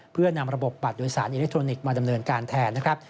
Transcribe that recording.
เพื่อนำระบบบัตรโดยสารอิเล็กทรอนิกส์มาดำเนินการแทนนะครับ